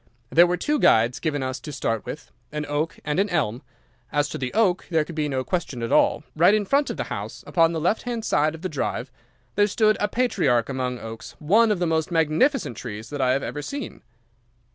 There were two guides given us to start with, an oak and an elm. As to the oak there could be no question at all. Right in front of the house, upon the left hand side of the drive, there stood a patriarch among oaks, one of the most magnificent trees that I have ever seen.